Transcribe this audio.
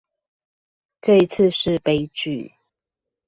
第一次是悲劇